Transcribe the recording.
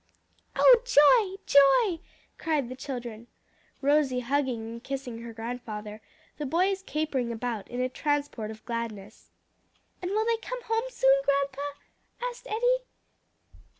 "Oh, joy! joy!" cried the children, Rosie hugging and kissing her grandfather, the boys capering about in a transport of gladness. "And will they come home soon, grandpa?" asked Eddie.